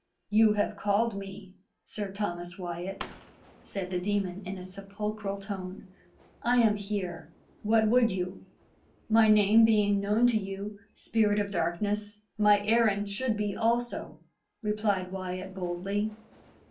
"You have called me, Sir Thomas Wyat," said the demon, in a sepulchral tone. "I am here. What would you?" "My name being known to you, spirit of darkness, my errand should be also," replied Wyat boldly.